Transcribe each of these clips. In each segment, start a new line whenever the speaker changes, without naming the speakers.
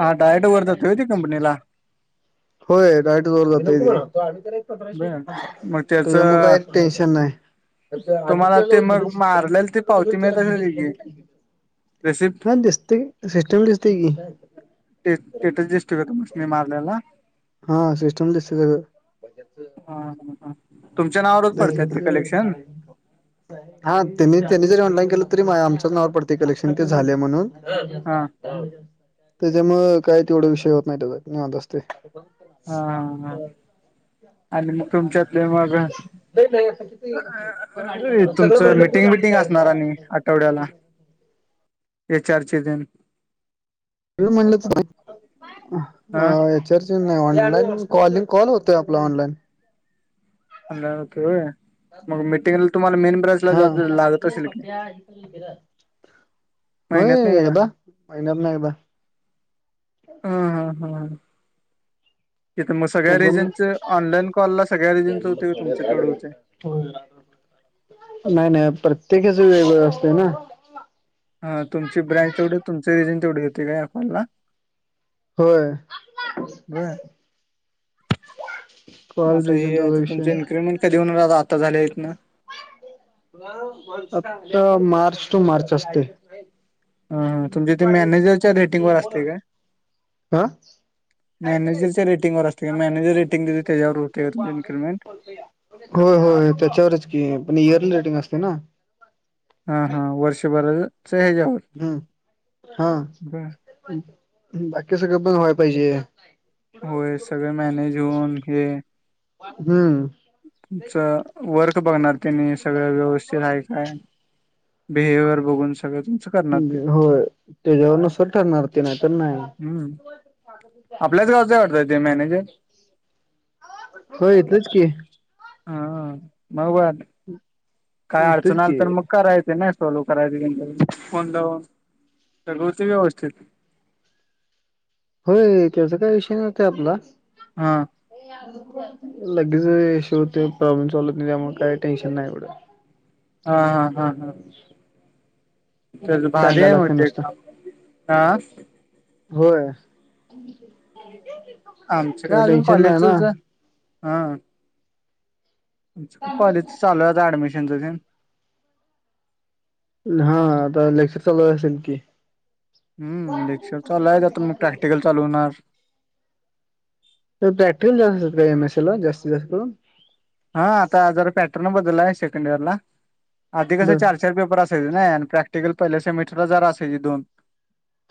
हा डायरेक्ट वर जातोय होय ती कंपनीला?
होय डायरेक्टच वर जातय ते.
बर मग त्याच
त्याज्यामुळ म काय टेन्शन नाय.
तुम्हाला
आदित्या
ते
जवळ
मग
दिलेच होती आणि
मारलेल ते
तुमच्याकडन
पावती
घेऊन त्याला
मिळत
दिलेच
असेल की
बघितलयकी.
रेसिप्ट
हा दिसतंय सिस्टमला दिसतंय की.
टे- स्टेटस दिसतोय काय तुमासनी मारल्याला?
हा सिस्टम दि
हा हा हा तुमच्या नावावरच पडत्यात ते कलेक्शन?
हा त्यांनी त्यांनी जरी ऑनलाईन केलं तरी आमच्याच नावावर पडतंय कलेक्शन ते झाले म्हणून.
हा
त्याज्यामुळ काय तेवढा विषय होत नाय तेज निवांत असतंय.
हा हा हा आणि मग तुमच्यातले मग अ तुमचं मिटिंग बटिंग असणार आणि आठवड्याला? एच आर ची तेन.
मी म्हटलं हा एच ऑनलाईन कॉलिंग कॉल होतोय आपला ऑनलाईन.
ऑनलाईन होतोय होय? मग मिटिंगला तुम्हाला मेन ब्रांच ला
हा.
जात लागत असल की?
होय एकदा महिन्यातन एकदा.
हम्म हम्. तिथ म सगळ्या
त्याच्यामुळ
रीजनच ऑनलाइन कॉल ला सगळ्या रीजन्सच होतय का तुमच तेवढ होतय?
नाय नाय प्रत्येकाच वेगवेगळ असतय ना?
हा तुमची ब्रँच तेवढी तुमचं रिजन तेवढे घेताय का आपनला?
होय.
बर मग
कॉल
आता
रिजन
हे
तेज
आता तुमचं
विषय.
इन्क्रीमेंट कधी होनार आ -आता झालय हितन.
फक्त मार्च टू मार्च असतंय.
हा तुमच्या ते मॅनेजरच्या रेटिंग वर असते काय?
आ?
मॅनेजरच्या रेटिंगवर असते का मॅनेजर रेटिंग देती त्याज्यावर होते का इनक्रीमेंट?
होय होय त्याच्यावरच की पण इयरली रेटिंग असते ना.
हा हा वर्षभरच हे ह्यच्यावर.
हम् हा बाकी सगळं पण व्हाय पाहिजे.
होय सगळ मॅनेज होऊन हे.
हम्म.
चा वर्क बघणार त्येंनी सगळं व्यवस्थित हाय काय. बिहेविअर बघून सगळ तुचं
होय त्याच्यावर नुसर ठरणार ते नाय तर नाय.
हम् आपल्याच गावचंय वाटत ते मॅनेजर?
व्हय तेच की.
हा [inaudible]
हम.
काय अडचण आली तर मग करायचे ना. [unintelligible] करायचींत फोन लावन [unintelligible] व्यवस्थेत.
होय. त्याचा काय इश्यू नव्हता आपला.
हा.
लगेच इशू होतोय. प्रॉब्लेम सॉल्व होतो त्यामुळे काही टेन्शन नाही एवढं.
हा हा हा हा. च भारी
सांगायला
आहे
लागते नुसतं
म्हटलं. हा.
होय.
आमच काय अजून
टेन्शन नाही ना
कॉलेजच [unintelligible] हं. आमच काय कॉलेज चालूये [unintelligible] ऍडमिशनच ते.
हा. आता लेक्चर चालू असेल की.
हम्म. लेक्चर चालू आहे. आता मग प्रॅक्टिकल चालू होणार.
तर प्रॅक्टिकल जास्त असतात काय एम एस ए ला? जास्तीत जास्त करून.
हा. आता जरा पॅटर्न बदलला आहे सेकंड इयर ला. आधी कस
बर
चार्ज- पेपर असायचे ना? आणि प्रॅक्टिकल पहिल्या सेमिस्टरला जरा असायची दोन.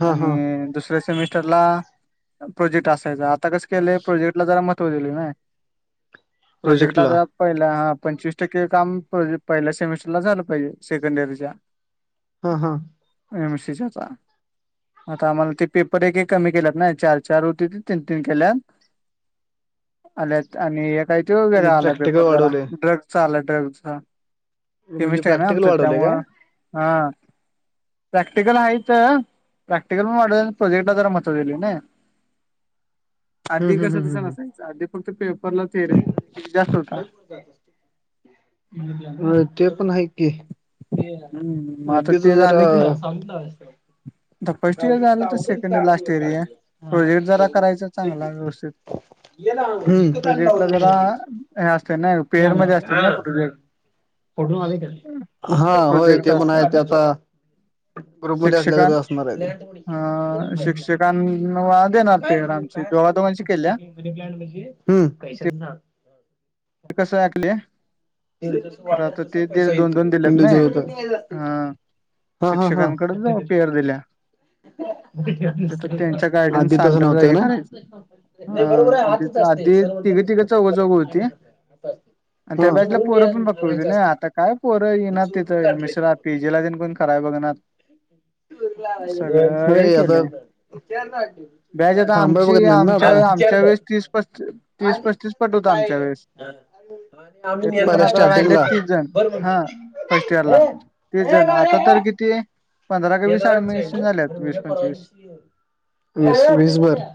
हा हा
आणि दुसऱ्या सेमिस्टरला प्रोजेक्ट असायचा. आता कस केलंय प्रोजेक्ट- - ला जरा महत्व दिले [unintelligible]
प्रोजेक्टला.
पहिला हा. पंचवीस टक्के काम पहिल्या सेमिस्टरला झालं पाहिजे. सेकंड इयरच्या.
हा हा.
एम एस शच्याचा. आता आम्हाला ते पेपर एक एक कमी केल्यात ना? चार चार होते ते तीन तीन केल्यात. आल्यात. आणि एक आहे तो
आणि
वेगळा आला
प्रॅक्टिकल
पेपर जरा.
वाढवले
ड्रगचा आला ड्रगचा.
म्हणजे
केमिस्ट्री आहे ना
प्रॅक्टिकल
आमचं?
वाढवले काय
त्यामुळं हा. प्रॅक्टिकल आहेत. प्रॅक्टिकल पण वा [unintelligible] प्रोजेक्टला जरा महत्व दिल ना? आधी
हम्म
कसं
हम्म
तस
हम्म
नसायचं. आधी फक्त पेपरला [unintelligible] जास्त [unintelligible]
अ ते पण आहे की.
हम्म मग आता
अधदीच
ते झाले की
जरा-
फर्स्ट इयर झालं तर second year last year [unintelligible] project जरा करायचा चांगला व्यवस्थित.
ये ना [unintelligible] हम्म.
प्रोजेक्टला जरा हे असते ना? पेअरमध्ये असतील ना कुठले.
हा. होय
प्रोजेक्ट
ते पण आहे.
असते
ते आता -
शिक्षकां ह.
हम्म
शिक्षकांना [unintelligible] [unintelligible] दोणशी केल्या?
मनी प्लांट म्हणजे पैशाचं झाड.
कस वाटले?
जस वाढलं तसं पैसा
दोन
येतो
दोन दिलेत नाही अ
[unintelligible] हा हा हा.
शिक्षकांकडे
[unintelligible]
जाऊ पेयर दिल्या तर त्यांच्या
आदी
गायडन्स
तसं
अंडर
नव्हतं
हे
ना?
करायचं ह
नाही बरोबर आहे.
आधी
आतच असतय.
आधी
[unintelligible]
तिघे तिघे
बऱ्याच ठिकाणी आत असतय.
आमच्या बॅचला पोर [unintelligible] आता काय पोरं येणार तिथं मिस्रात. पी जे ला तेण कोण करावे [unintelligible]
व्हय व्हय आता, फॅन लावा की.
बॅग आता आमची आमच्या आमच्या वेळेस तीस पस तीस पस्तीस पट होता. आमच्या वेळेस, त्यातले पण
पहिला
आता राहिले
स्टार्टिंगला
तीस जण. हा फर्स्ट इयर ला. तीस जण आता तर किती पंधरा काय वीस ऍडमिशन झाल्यात वीस पंचवीस
वीस वीसभर.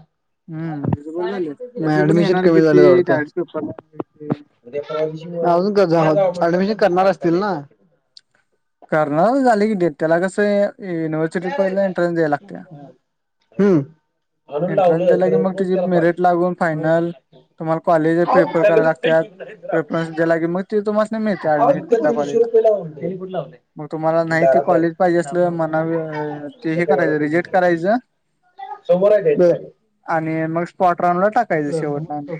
हम्म बरोबर झाले
म
त्यातली पण
ऍडमिशन
येणार
कमी
किती
झाल्यात वाढत.
डायरेक्ट पेपरला
उद्या परवा दिवशी अजून कस झाल्या. ऍडमिशन करणार असतील ना.
करणार झाली की डेट त्याला कसं युनिव्हर्सिटीत पहिला इंटरन्स द्यायला लागत्या.
हम् म्हणून
एंट्रन्स
लावलं.
दिला की
खरं
मग
रोज
त्याची
त्याला पाणी
मेरिट लागून
[unintelligible]
फायनल
तेनी
तुम्हाला कॉलेज प्रिपेअर करायला लागत्यात. प्रेफरन्स दिला की मग ते तुम्हासनी मिळते ऍडमिशन कुठल्या कॉलेजला
कुठ लावलय.
मग तुम्हाला नाही ते कॉलेज पाहिजे असल. मना ते हे करायचं रिजेक्ट करायचं.
समोर आहे तेच.
आणि मग स्पॉट राऊंडला टाकायचं शेवटला आणि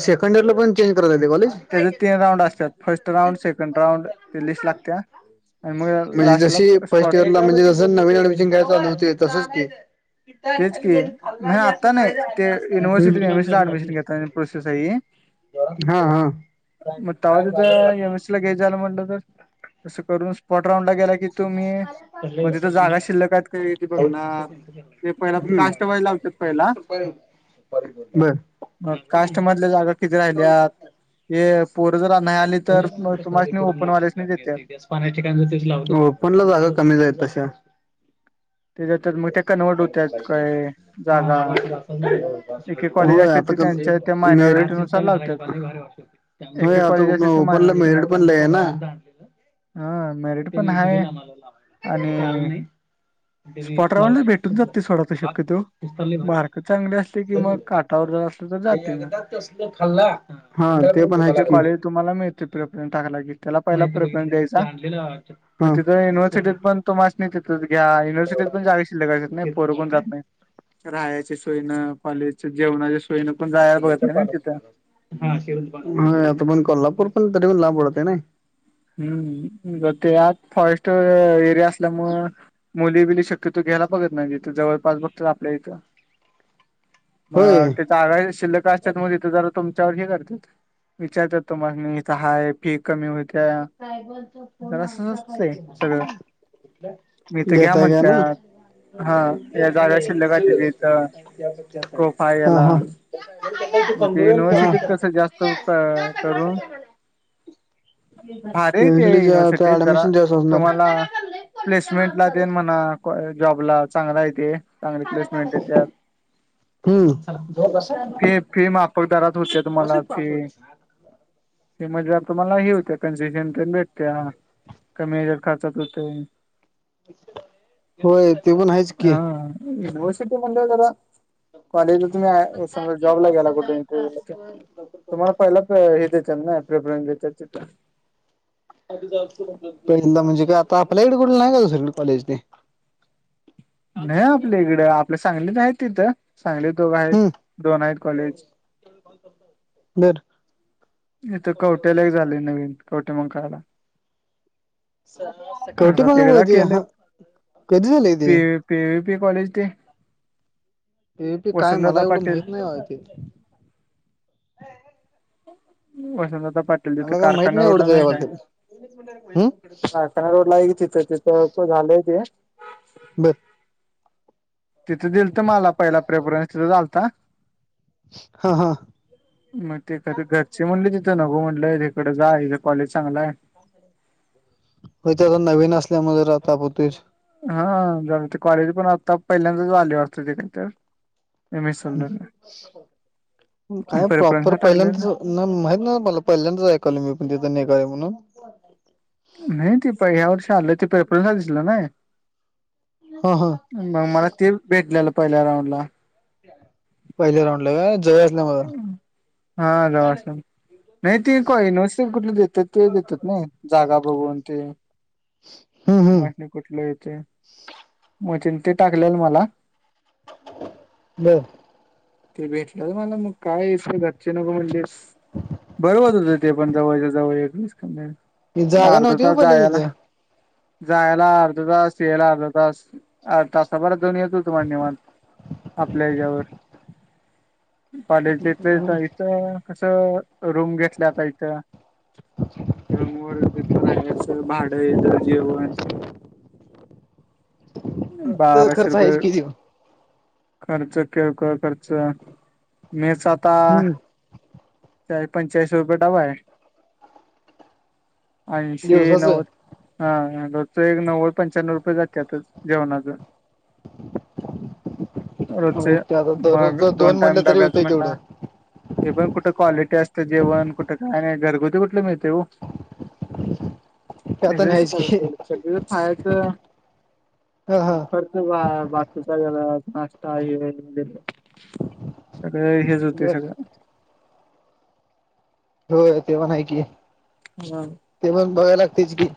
सेकंड इयरला पण चेंज करायला लावले कॉलेज?
त्याचे तीन राऊंड असतात. फर्स्ट राऊंड, सेकंड राऊंड ते लिस्ट लागत्या. आणि मग
म्हणजे
लास्टला
जशी फर्स्ट
स्पॉट
इयर ला म्हणजे जस नवीन ऍडमिशन घ्याय चालू होते. तसच की,
तेच की नाही आता नाही ते
[unintelligible]
दिवसा येई.
हा हा
मग तवा तिथ व्यवस्थित लगे झाल म्हटल तर असं करून स्पॉट राऊंडला गेला की, तुम्ही मग तिथ जागा शिल्लक आहेत की नाही बघणार. ते पहिला
हम्म
काष्ट व्हाइस लावतात पहिला.
बर.
मग काष्ट मधल्या जागा किती राहिल्यात. हे पोरं जर नाही आली तर, मग तुम्हासनी ओपनवाल्यासनी देत्यात.
तेच कॉलेजच्या ठिकाणी तेच लावतो. ओपनला जागा कमीच आहेत तश्या,
ते देतात मग ते कन्वर्ट होत्यात काय
हा
जागा एक एक
दाखवते बघ.
कॉलेज
होय
असतात ते
आता कस
त्यांच्या त्या मायनॉरिटी
मेरीट.
नुसार लावतात एक एक
व्हय. तो
कॉलेज असतात ते
ओपन ला
मायनॉरिटी
मेरिट पण
लावतात
लय आहे ना.
हा. मेरिट पण हाय आणि स्पॉटावरला भेटून जाते सोडा ते शक्यतो. मार्क चांगले असले की मग काठावर जर असलं तर जाते मग
एकदा तसल खाल्ला हा ते पण आहेच की,
तुम्हाला मिळते प्रयोग तेन टाकला की, त्याला पहिला प्रेफरन्स द्यायचा. मग
हा.
तिथं युनिव्हर्सिटीत पण, तुम्हासनी तिंथच घ्या. युनिव्हर्सिटीत पण जागा शिल्लक असत्यात की नाही. पोर कोण जात नाहीत. राहायची सोयन कॉलेजच्या, जेवणाच्या सोयन पण जायला बघत नाही ना तिथ.
हा शरद आता पण कोल्हापूर पण तरी पण लांब पडतय नाही.
हम. जरा ते आत फॉरेस्ट एरिया असल्यामुळे मुली बिली शकत क्यतो घ्यायला बघत नाही. तिथ जवळपास बघतात आपल्या इथं
होय
मग जागा शिल्लक असत्यात मग तीथ जरा तुमच्यावर हे करत विचारतात तुम्हासनी. इथ हाय फी कमी हाय काय. जरासंच असतंय सगळं. मगं इथ घ्या
देताय का ना
म्हणत्यात. हा या जागा शिल्लक आहेत का तीथ. स्कोप आहे
हा
ह्याला.
हा
मग ते युनिव्हर्सिटीत
हा
कसं जास्त करू. भारी आहे ते युनिव्हर्सिटीत जरा
ऍडमिशन जास्त असणार
तुम्हाला, प्लेसमेंट ला तेन म्हणा जॉबला चांगलाय ते. चांगली प्लेसमेंट येत्यात.
हम्म
फी फी मा [unintelligible] होत्या तुम्हाला फी. ते म्हजे तुम्हाला हे होत्या कन्सेशन तेन भेटत्या कमी खाचात होतय.
होय ते पण आहेच की.
युनिवर्सिटी म्हणल्यावर जरा कॉलेजला तुम्ही अ समजा जॉबला गेला कुठ इंटरव्यू ला तेन, तुम्हाला पहिला अ हे देत्यात ना प्रेफरन्स देत्यात तिथं.
[unintelligible] म्हणजे का आता आपल्या इकड कुठं नाही का दुसरीकडे कॉलेज ते.
नाही आपल्या इकडं आपल्या सांगलीत आहेत तिथं. सांगलीत दोघ
हम्म
आहेत दोन आहेत कॉलेज.
बर
इथ कवट्याला झालं नवीन कवटेमंकाळयला.
कवटी
घरात एकदा
मगावती
केलं
हा कधी झालय.
P P U P college ते.
पी [unintelligible] काय मला
वसंतदादा
एवढं
पाटील
माहित नाही [unintelligible] ते.
वसंत दादा पाटील तिथे
मला काय माहित
कारखाना
एवढं
रोडला नाही काय.
त्याच्याबद्दल हम्म
रोड ला आहे तिथं तिथं झालंय ते.
बर.
तिथं दिलत मला पहिला प्रेफरन्स तिथं झालता.
हा हा.
मग तिथं घरचे म्हणले तिथं नगो म्हटलं तिकडं जा हिज कॉलेज चांगला आहे.
होय त्याजा नवीन असल्यामुळे जरा ताप होतंयच.
हा जरा ते कॉलेज पण आता पहिल्यांदाच आले वाटतं तिथ तर. एम एस
काय प्रॉपर
प्रेफरन्सला टाकलेलं
पहिल्यांदाच. नाही माहित नव्हतं मला पहिल्यांदाच ऐकालोय मी पण तिथं निघा म्हणून.
नाही ती पहि ह्या वर्षी आलं ते पेपर दिसलं ना.
हा हा.
मग मला ते भेटलेलं पहिल्या राऊंड ला.
पहिल्या राऊंड ला जय
हा जवा अस. नाही ते को इ नव्हसि कुठले देतात ते देतात नाही जागा बघून ते.
हम्म हम्म
[unintelligible] कुठलं येतय म चिंते टाकलेल मला.
बरं.
ते भेटलं [unintelligible] मला मग काय घरचे नको म्हटलीत. ते पण जावळच्या जवळ
ही जागा नव्हती व्हय पहिला
[unintelligible]
तिथं
जायला अर्धा तास याला अर्धा तास अर्धा तास. सभारात दोन येत मान्यवन आपल्या हच्यावर. कॉलेज इथ इथ कस रूम घेतल्या आता इथं. रूमवर तिथं राहायचं भाडंच हेज जेवण.
त्याचा
बाराशे
खर्च आहेच
रुपये.
कि त्यो
खर्च किरकोळ खर्च मेस आता
हम्म
पंचाळीस रुपये डबा आहे. ऐंशी
दिवसाच
नव्वद हा रोजचं नव्वद पंच्यानऊ रुपये जात्यात जेवणाच.
[inaudible]
रोजचे
ते आता
मग
दररोजच
दोन
म्हणलं
टाइम
तरी
डब्याच
होतंय
म्हटला.
तेवढं
ते पण कुठं क्वालिटी असतें जेवण कुठं काय नाही घरगुती कुठली मिळते हो.
खरं तर नाहीच की.
क खायचं
हा
मग
हा
खर बाकीचा नाशता हे सगळे हे. ज ते
बर
सगळं
हो तेव्हा हाय की.
हा.
ते पण बघाय लागतेच की.